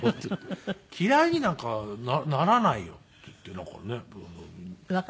「嫌いになんかならないよ」っていってなんかね。